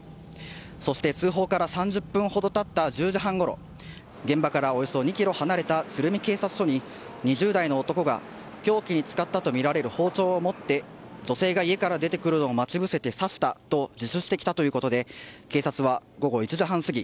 そして、通報から３０分ほど経った１０時半ごろ現場からおよそ２ｋｍ離れた鶴見警察署に２０代の男が凶器に使ったとみられる包丁を持って女性が家から出てくるのを待ち伏せて刺したと自首してきたということで警察は午後１時半過ぎ